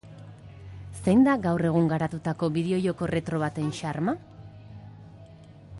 Zein da gaur egun garatutako bideo-joko retro baten xarma?